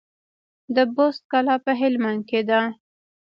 د بست کلا په هلمند کې ده